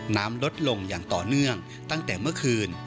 น้ำลดลงอย่างต่อเนื่องตั้งแต่เมื่อคืน